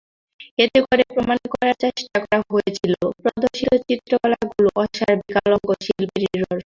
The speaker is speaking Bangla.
এতে করে প্রমাণ করার চেষ্টা করা হয়েছিল প্রদর্শিত চিত্রকলাগুলো অসাড়-বিকলাঙ্গ শিল্পেরই স্বরূপ।